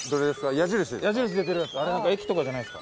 矢印ですか？